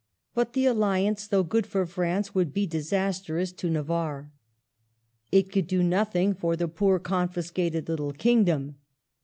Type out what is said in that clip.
But the alliance, though good for France, would be disastrous to Navarre, It could do nothing for the poor confiscated little kingdom.